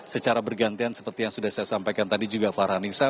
secara bergantian seperti yang sudah saya sampaikan tadi juga farhanisa